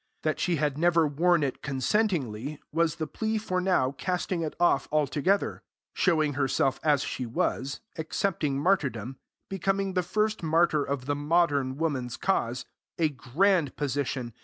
That she had never worn it consentingly, was the plea for now casting it off altogether, showing herself as she was, accepting martyrdom, becoming the first martyr of the modern woman's cause a grand position!